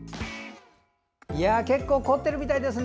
結構凝ってるみたいですね。